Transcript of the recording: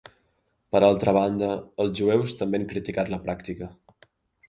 Per altra banda, els jueus també han criticat la pràctica.